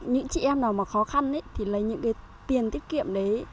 những chị em nào mà khó khăn thì lấy những cái tiền tiết kiệm đấy